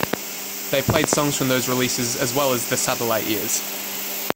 They played songs from those releases as well as "The Satellite Years".